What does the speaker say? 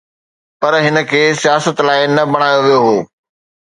پر هن کي سياست لاءِ نه بڻايو ويو هو.